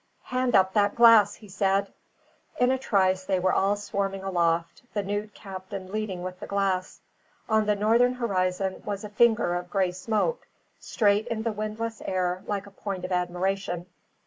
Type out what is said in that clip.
"Hand up that glass," he said. In a trice they were all swarming aloft, the nude captain leading with the glass. On the northern horizon was a finger of grey smoke, straight in the windless air like a point of admiration.